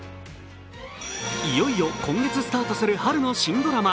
いよいよ今月スタートする春の新ドラマ。